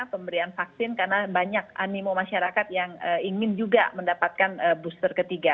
pemberian vaksin karena banyak animo masyarakat yang ingin juga mendapatkan booster ketiga